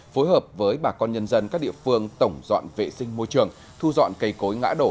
phối hợp với bà con nhân dân các địa phương tổng dọn vệ sinh môi trường thu dọn cây cối ngã đổ